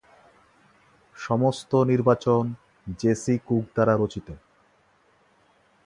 সমস্ত নির্বাচন J C Cook দ্বারা রচিত।